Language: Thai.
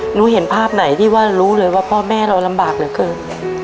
หนูเห็นภาพไหนที่ว่ารู้เลยว่าพ่อแม่เราลำบากเหลือเกิน